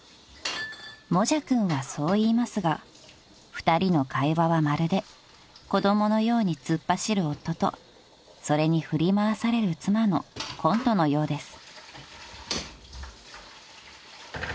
［もじゃくんはそう言いますが２人の会話はまるで子供のように突っ走る夫とそれに振り回される妻のコントのようです］